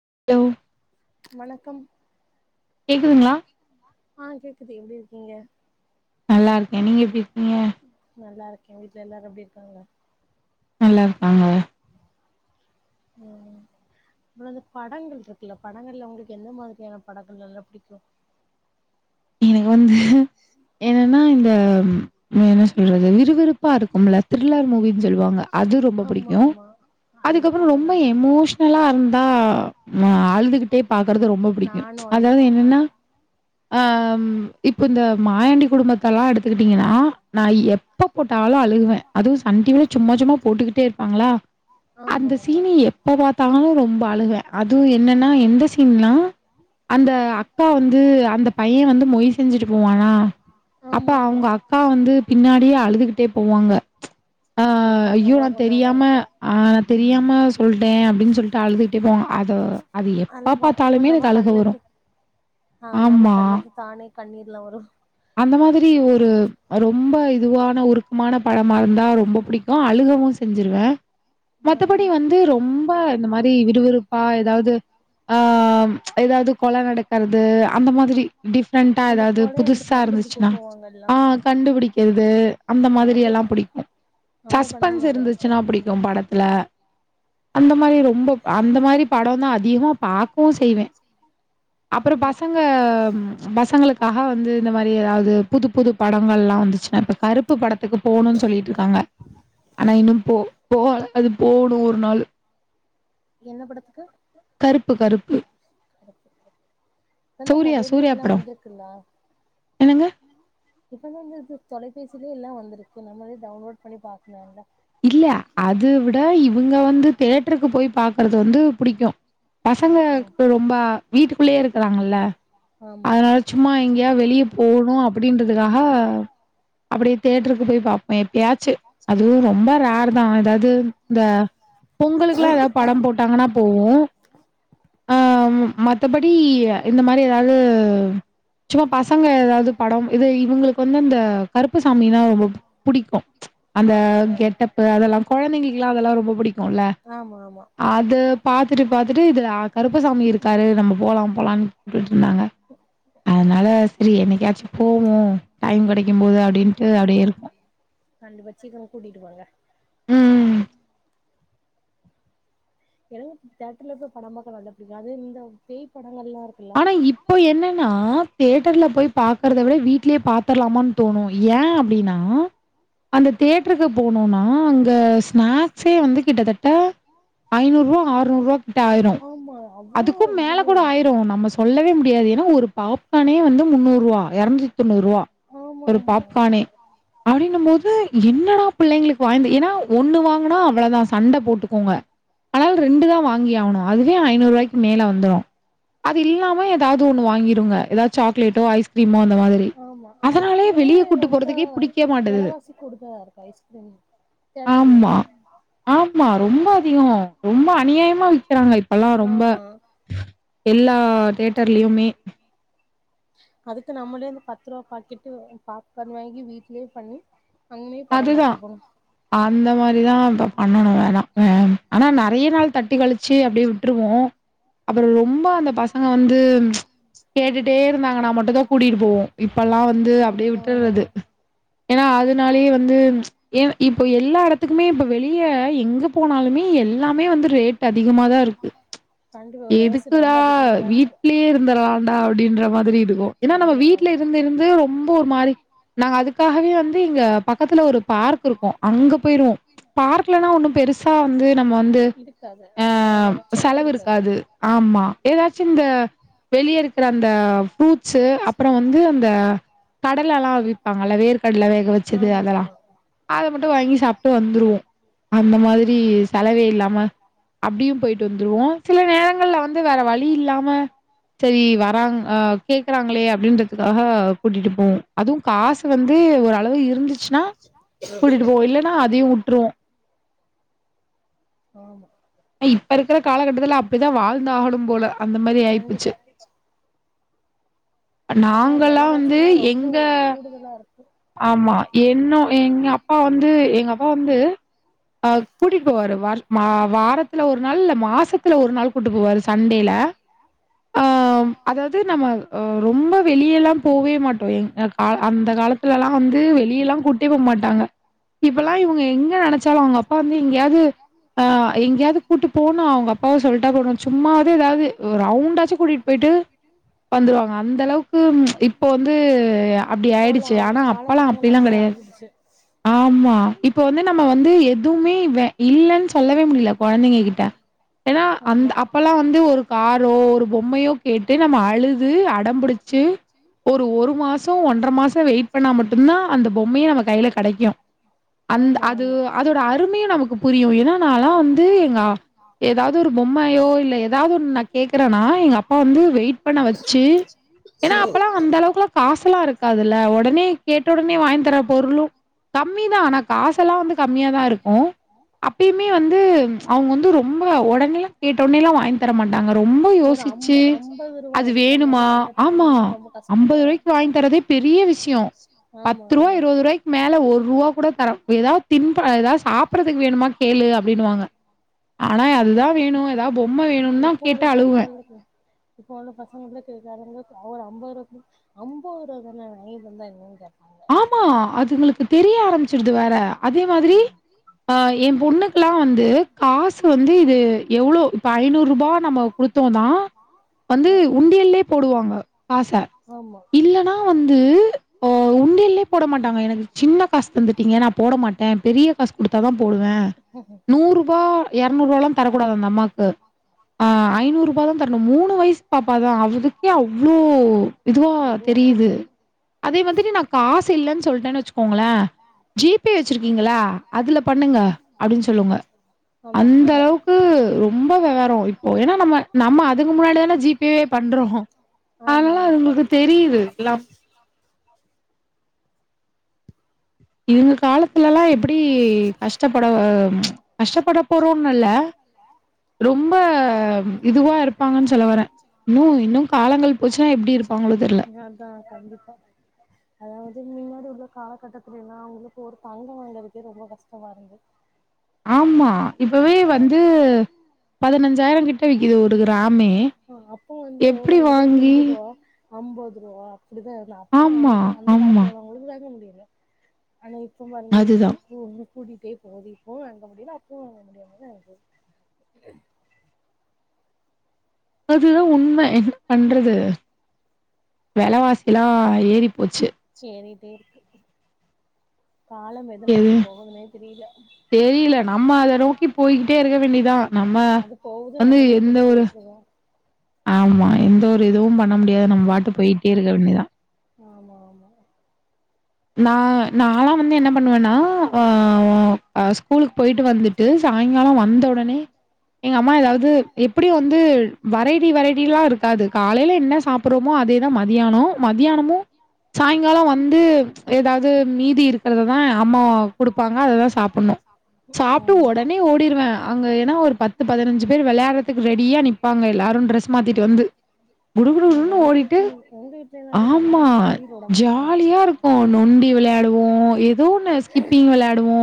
[unintelligible] வணக்கம் கேக்குதுங்களா ஆ கேக்குது எப்டி இருக்கீங்க நல்லா இருக்கே நீங்க எப்டி இருக்கீங்க நல்லா இருக்கே வீட்டு்ல எல்லாரு எப்டி இருக்காங்க நல்லா இருக்காங்க உம் அப்றோ அந்த படங்கள் இருக்குல்ல படங்கள்ல உங்களுக்கு எந்த மாத்ரியான படங்க எல்லா புடிக்கு எனுங் வந்து என்னன்னா இ [unintelligible] என்ன சொல்றது விறுவிறுப் ப்பா இருக்கும்ல த்ரில்லர் மூவின்னு சொல்வாங்க அது ரொம்ப புடிக்கு அதுக்கப்புற ரொம்ப எமோஷனலா இருந்தா அழுதுகிட்டே பாக்குறது ரொம்ப புடிக்கு அதாவ்து என்னன்னா ஆஹ் இப்போ இந் மாயாண்டி குடும்பத்தல்லா எடுத்துக்கிட்டீங்ன்னா நா எப்ப போட்டாலு அழுகுவே அதுவு சன் டி வில சும்மா சும்மா போட்டுக்கிட்டே இருப்பாங்களா அந்த சீன்னு எப்ப பாத் தானு ரொம்ப அழுவே அதுவு என்னன்னா எந்த சீ ன்லா அந்த அக்கா வந்து அந்த பைய வந்து மொய் செஞ்சுட்டு போவானா அப்ப அவுங்க அக்கா வந்து பின்னாடியே அழுதுகிட்டே போவாங்க ஆஹ் ஐயோ நா தெரியாம ஆஹ் தெரியாம சொல்லிட்டே அப்படின்னு சொல்லிட்டு அழுதுகிட்டே போவ அத அது எப்ப பாத்தாலுமே எனக்கு அழுக வரு ஆமா தானே கண்ணீர்லா வரு அந்த மாதிரி ஒரு ரொம்ப இதுவான உருக்கமான படமா இருந்தா ரொம்ப பிடிக்கு அழுகவு செஞ்சிருவே மத்தபடி வந்து ரொம்ப இந்த மாரி விறுவிறுப்பா ஏதாவது ஆஹ் ஏதாவது கொல நடக்கிறது அந்த மாதிரி டிஃப்ரெண்டா ஏதாவது புதுஸ் இருந்துச்சுனா ஆஹ் கண்டுபிடிக்கிறது அந்த மாதிரி எல்லா பிடிக்கும் சஸ்பென்ஸ் இருந்துச்சுன்னா பிடிக்கு படத்துல அ அந்த மாரி ரொம்ப அந்த மாரி படந்தா அதிகமா பார்க்கவு செய்வே அப்பற பசங்க பசங்களுக்காக வந்து இந்த மாரி ஏதாவது புது புது படங்கள்லாம் வந்துச்சுன்னா இப்ப கருப்பு படத்துக்கு போகணும்னு சொல்லிட்டு இருக்காங்க ஆனா இன்னு போ போ அது போகணு கருப்பு கருப்பு இ மொபைல்லே எல்லா வந்திருக்குல்ல இப்பதா வந்து தொலைபேசி சீலா வந்துிருக்கு நம்மள டவுன்லோட் பண்ண பார்க்கணும்ல்லை இல்ல அது விட இவங்க வந்து தேட்டருக்கு போய் பார் அது வந்து புடிக்கு பசங்க ரொம்ப வீட்டுக்குள்ளேயே இருக்குறாங்கல்ல அதனால சும்மா எங்கேயா வெளிய போணு அப்டின்றதுக்காக அப்படிய தேட்டருக்கு பேய் பார்ப யாச்சே அதூரு ரொம்ப ரேர் தா ஏதாவது இந்த பொங்கலுக்கெல்லா ஏதாவது பட போட்டாங்கன்னா போவோ ஆஹ் மத்தபடி இந்த மாரி ஏதாவது சும்மா பசங்க எதாவது படம் இது இவுங்களுக்கு வந்து அந்த கருப்பு சாமிதா ரொம்ப பிடிக்கு அந்த கெட்டப்பு அதெல்லா குழந்தைங்களுக்குல்லா அதெல்லா ரொம்ப பிடிக்குல்ல அது பாத்துட்டு பாத்துட்டு இதுல கருப்பசாமி இருக்காரு நம்ம போலா போலாம்னுட்டு அதனால சரி என்னைக்காச்சும் போவோம் டைம் கிடைக்கும்போது அப்படின்ட்டு அப்படியே இருக்கோம் உம் எனக்கு தேட்டர்ல போய் படம் பாக்க பிடிக்கும் அது இந்த பேய்ப் படம் ஆனா இப்போ என்னன்னா தியட்டர்ல போய் பாக்குறத விட வீடலயே பாத்துரலாமான்னு தோணும் ஏன் அப்படின்னா அந்த தேட்டருக்கு போனோனா அங்க ஸ்நாக்ஸே வந்து கிட்டத்தட்ட ஐநூறு ரூபா அறநூறு ரூபா கிட்ட ஆயிரும் அதுக்கும் மேல கூட ஆய நம்ம சொல்லவே முடியாது ஏன்னா ஒரு பாப் பாப்கானே வந்து முன்னூறு ரூபா இரநூத்தி தொண்ணூறு ரூபாய் ஒரு பாப்கானே அப்படின்னும் போது என்னடா பிள்ளைங்களுக்கு வாய்ந்த ஏன்னா ஒண்ணு வாங்கனா அவ்வளவுதான் சண்டை போட்டுக்கோங்க ஆனால ரெண்டுதான் வாங்கி ஆணும் அதுவே ஐநூறு ரூபாய்க்கு மேல வந்துடும் அது இல்லாம ஏதாவது ஒண்ணு வாங்கிருங்க ஏதாவது சாக்லேட்டோ ஐஸ்கிரீமோ அந்த மாதிரி அதனாலே வெளியே கூட்டி போறதுக்கே பிடிக்க மாட்டது ஆமா ஆமா ரொம்ப அதிகம் ரொம்ப அனி மா விக்கிறாங்க இப்பெல்லா ரொம்ப எல்லா தேட்டர்லயுமே அதுக்கு நம்மளே இந்து பத்து ரூவா பாக்கெட்டு பாப்கான் வாங்கி வீட்லயே பண்ணி அதுதா அந்த மாரிதா தப் அண்ணனு வேணா [unintelligible] ஆனா நறைய நாள் தட்டி கழிச்சு அப்டியே விட்ருவோ அப்புறொ ரொம்ப அந்த பசங்க வந்து கேட்டுட்டே இருப் நாங்க நா மட்டுதாப் கூட்டிட்டு போவோ இப்பல்லா வந்து அப்டியே விட்டுட்றது ஏன்னா அது னாலே வந்து எ இப்ப எல்லா எடத்துக்குமே இப்ப வெளிய எங்க போனாலுமே எல்லாமே வந்து ரேட் அதிகமாதா இருக்கு எதுக்குடா வீட்லேயே இருந்துடலாடா அப்டின்ற ம் மாதிரிப் ருக்கோ எனா நம்ம வீட்ல இருந்து இருந்து ரொம்ப ஒரு மாரி நாங்க அதுக்காகவே வந் இங்க பக்கத்துல ஒரு பார்க் இருக்கு அங்க போயிடுவோ பார்க்லனா ஒண்ணு பெருசா வந்து நம்ம வந்து ஆஹ் செலவு இருக்காது ஆமா ஏதாச்சும் இந்த வெளிய இருக் புற அந்த ஃப்ரூட்ஸூ அப்புற வந்து அந்த கடலல்லா விப்பாங்கல்ல வேர்கடல வெ வெச்சது அதெல்லா அத மட்டு வாங்கி சாப்ட்டு வந்துருவோ அந்த மாதிரி செலவே இல்லாம அப்டியு போயிட்டு வந்துருவோ சில நேரங்கள்ல வந்து வேற வழி இல்லாம சரி வராங் ஆ கேக்குறாங்களே அப்டின்றதுக்காக கூட்டிட்டு போவோ அதுவு காசு வந்து ஒர் ஆ அளவு இருந்துச்சுன்னா கூட்டிட்டு போவோ இல்லைன்னா அதையு வுட்ருவோ ஆமா இப்ப இருக்குற காலகட்டத்துல அப்டிதா வாழ்ந்தாகனு போல அந்த மாரி ஆய்போச்சு நாங்கல்லா வந்து எங்க ஆமா என்னொ எங்க அப்பா வந்து எங்க அப்பா வந்து அஹ் கூட்டிட்டு போவாரு வர் வா வாரத் த்துல ஒரு நாள் ல்ல மாசத்துல ஒரு நாள் கூட்டு போவாரு சண்டேல ஆஹ் அதாவது நம்ம ஆ ரொம் வெளிய எல்லா போவே மாட்டோ எங்க க அந்த காலத்துலல்லா வந்து வெளியல்லா கூட்டே போ மாட்டாங்க இப்பல்லா இவங்க எங்க நெனைச்சாலு அவங்க அப்பா வந்து எங்கேயாது அஹ் எங்கேயாது கூப்ட்டு போனு அவங்க அப்பாவ சொல்ட்டா போது சும்மாவே ஏதாவது ரவுண்டாச்சு கூட்டிட்டு போய்ட்டு வந்துறுவாங்க அந்த அளவுக் கும் இப்போ வந்து அப்டி ஆயிடுச்சு ஆனா அப்பல்லா அப்டிலா கெடையாது ஆமா இப்ப வந்து நம்ம வந்து எதுவுமே வ இல்லன்னு சொல்லவே முடில கொழந்தைங்க கிட்டே ஏன்னா அந்த அப்பல்லா வந்து ஒரு காரோ ஒரு பொம்மையோ கேட்டு நம்ம அழுது அடம்பிடிச்சு ஒரு ஒரு மாச் ஸோ ஒன்ர மாசோ வெயிட் பண்ணா மட்டும்தா அந்த பொம்மையே நம்ம கைல கெடைக்கு அந்த் அது அதோட அருமையு நமக்கு புரியு ஏன்னா நால்லா வந்து எங்க ஆ ஏதாவது ஒரு பொம்மையோ இல்ல ஏதாவது ஒன்னு நான் கேக்குறேன்னா எங்க அப்பா வந்து வெயிட் பண்ண வச்சு ஏன்னா அப்பல்லாம் அந்த அளவுக்குல காசை இருக்காதுல்ல உடனே கேட்டோட வாங்க தர பொருளும் கம்மி தான் ஆன காசல்லாம் வந்து கம்மியா தான் இருக்கும் அப்பயுமே வந்து அவங்க வந்து ரொ ரம்ப உடனேல்லாம் கேட்ட உடனே எல்லாம் வாங்கி தர மாட்டாங்க ரொம்ப யோசிச்சு அது வேணுமா ஆமா ம ரூபாய்க்கு வாங்கி தரதே பெரிய விஷயம் பத்து ரூபாய் இருபது ரூபாய்க்கு மேல ஒரு ரூபா கூட தரம் ஏதாவது தின் ஏதாவது சாப்பறதுக்கு வேணுமா கேளு அப்படின்னு வாங்க ஆனா அதுதான் வேணும் ஏதாவது பொம்மை வேணும் தான் கேட்ட அழகுவேன் இப்ப உள்ள பசங்க இருக்காரங்க ஒரு அம்பது ரூபா கொடு அம்பது ரூபா தானே நந்தான் ஆமா அதுங்களுக்கு தெரிய ஆரம் சரிதுவாரா அதே மாதிரி ஆ என் பொண்ணுக்கு எல்லாம் வந்து காசு வந்து இது எவ்வளோ இப்ப ஐநூறு ரூபா நம்ம கொடுத்தோம் தான் வந்து உண்டியல்லே போடுவாங்க காசை இல்ன்னா வந்து உண்டியிலயே போட மாட்டாங்க எனக்கு சின்ன காசு தந்துட்டீங்க நான் போட மாட்டேன் பெரிய காசு குடுத்தாாதான் போடுவேன் நூறு ரூபா இரநூறு ரூபாலாம் தரக்கூடாது அந்த அம்மாக்கு ஆஹ் ஐநூறு ரூபா தான் தரணும் மூணு வயசு பாப்பாதான் அவதுக்கே அவ்வளோ இதுவா தெரியுது அதே வந்து நான் காசு இல்லைன்னு சொல்ட்டேு வச்சுக்கோங்களேன் ஜிபே வச்சிருக்க இருக்கீங்களா அதுல பண்ணுங்க அப்படின்னு சொல்லுங்க அந்த அளவுக்கு ரொம்ப விவவரம் இப்போ ஏன்னா நம்ம நம்ம அதுக்கு முன்னாடிதானே ஜிபேவே பண்றோம் அதனால அதுங்களுக்கு தெரியுது எல்லாம் இங்க காலத்துல எல்லாம் எப்படி கஷ்டப்பட கஷ்டப்பட போறோன்னுல்ல ரொம்ப இதுவா இருப்பாங்கன்னு சொல்ல வரேன் இன்னும் இன்னும் காலங்கள் போச்சுன்னா எப்படி இருப்பாங்களோ தெரியல அதாவது முன்னாடி உள்ள காலகட்டத்துல எல்லாம் அவங்கள இப்ப ஒரு தங்கம் வாங்கறதுக்கே ரொம்ப கஷ்டமா இருந்து ஆமா இப்பவே வந்து பதினஞ்சாயிரம் கிட்ட விக்குது ஒரு கிராமே எப்டி வாங்கி அம்பது ரூபா அப்படித்தான் இருந்த அப்ப அவங்களுக்கு அந்த காலத்து உள்ள அவங்களுக்கு தாக்க முடியும் [inaudible] ஆனா இப்போ [unintelligible] கூடிிட்டே போகுது இப்பவும் வாங்க முடியல அப்பவும் வாங்க முடியாம தான் அது அதுதான் உண்மை பண்றது விலவாசி எல்லாம் ஏறி போச்சு [unintelligible] எது தெரியல நம்ம அத நோக்கி போய்கிட்டே இருக்க வேண்டியதான் நம்ம வந்து எந்த ஒரு ஆமா எந்த ஒரு இதுவும் பண்ண முடியாது நம்ம பாட்டு போயிட்டே இருக்க வேண்டிதான் ஆமா ஆமா நான் நாலாம் வந்து என்ன பண்ணுவேன்னா ஆ ஆ ஸ்கூலுக்கு போயிட்டு வந்துட்டு சாயங்காலம் வந்த உடனே எங்க அம்மா ஏதாவது எப்படி வந்து வெரைட்டி வெரைட்டி எல்லாம் இருக்காது காலையில என்ன சாப்பிடுறோமோ அதேதான் மத்தானம் மதியானமும் சாயங்காலம் வந்து ஏதாவது மீதி இருக்கிறததா அம்மாவ குடுப்பாங்க அததா சாப்படணு சாப்ட்டு ஒடனே ஓடிருவே அங்க ஏன்னா ஒரு பத்து பதினஞ்சு பேர் வெளையாட்றதுக்கு ரெடியா நிப்பாங்க எல்லாரு ட்ரெஸ் மாத்திட்டு வந்து குடு குடு குடுன்னனு ஓடிட்டு ஆமா ஜாலியா இருக் நொண்டி விளையாடுவோ ஏதோ ஒண்ணு ஸ்கிப்பிங் விளையாடுவோ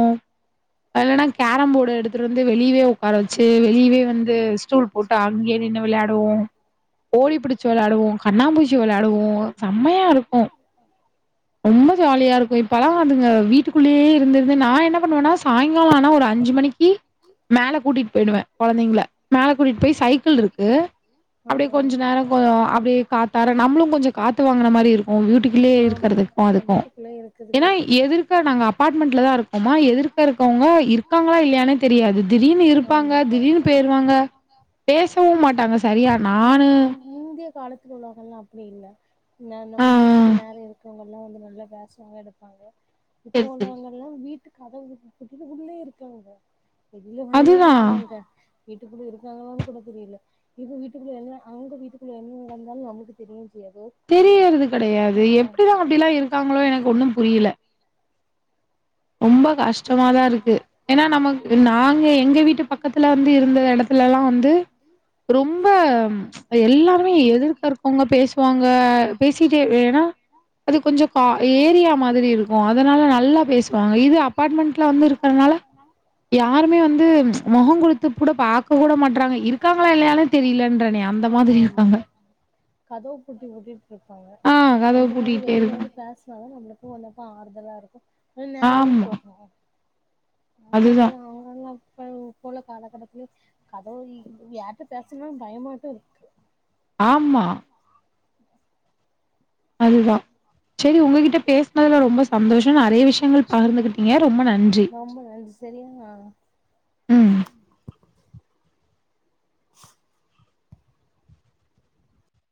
னனா கேரம்போர்ட எடுத்துட்டு வந்து வெளிய வர வச்சு வெளியவே வந்து ஸ்டூல் போட்டு அங்யே நின்னு விளையாடுவோ ஓடிப்புடிச் ச்சி விளாடுவோ கண்ணாம்பூச்சி விளையாடுவோ செம்மையா இருக்கு ரொம்ப ஜாலியா இருக்கு இப்பெல்லா அதுங்க வீட்டுக்குள்ளேயே இருந்திருந்து நா என்ன பண்ணுவேன்னா சாயங்கால ஆனா ஒரு அஞ்சு மணிக்கு மேல கூட்டிகிட்டு போயிடுவே கொழந்தைங்கள மேல கூட்டிட்டு போய் சைக்கிள் இருக்கு அப்படியே கொஞ்ச நேர ஆஹ் காத்தார நம்மளு கொஞ்ச காத்து வாங்கின மாதிரி இருக்கு வீட்டுக்குள்ளயே இருக்கிறது அதுக்கு ஏன்னா எதிர்க நாங்க அப்பார்ட்மெண்ட்ல தா இருக்கோமா எதிர்க்க இருக்கவங்க இருக்காங்களா இல்லையானே தெரியாது திடீர்னு இருப்பாங்க திடீர்னு பேய்ருவாங்க பேசவு மாட்டாங்க சரியா நானு காலத்தி உள்ளவங்கலா அப்டி இல்ல ந நம்ம வீட்டுக்கு நேர இருக்கவங்கலா வந்து நல்லா வேசவங்க எடுப்பாங்க இப்போ நாங்க எல்லா வீட்டுக்கு கதவு குட்டிலக்குள்ளயே இருக்கவங்க எதுல வரவே மாட்டேங்கங்க வீட்டுக்குள்ள இருக்காங்களான்னு கூட தெரியல இவ வீட்டுக்குள்ள என்ன அங்க வீட்டுக்குள்ள என்ன இருந்தாலு நமக்கு தெரியு தெரியிறது கெடையாது எப்படிதா அப்படிலா இருக்காங்களோ எனக்கு ஒண்ணு புரியல ரொம்ப கஷ்டமாதா இருக்கு ஏன்னா நமக்கு நாங்க எங்க வீட்டு பக்கத்துல வந்து இருந்த எடத்துலல்லா வந்து ரொம்ப எல்லாருமே எதிர்க இருக்கவங்க பேசுவாங்க பேசிட்டே ஏன்னா அது கொஞ்ச கா ஏரியா மாதிரி இருக்கு அதனால நல்லா பேச ஆமா ஆமா கதவு பூட்டி ட்டிட்டு இருப்பாங்க கொஞ்சம வெளியில வந்து பேச அத நம்மளுக்கு ஒண்ணப்ப ஆறுதலா இருக்கு [unintelligible] ம் அதுதா இப்ப உள்ள காலகட்டத்தில கதவு யார்ட்ட பேசனா பயமாட்த இருக்கு ஆமா அதுதா சரி உங்ககிட்ட பேசனதுல ரொம்ப சந்தோஷ நெறைய விஷயங்கள் பகிர்ந்துகிட்டீங்க ரொம்ப நன்றி உம்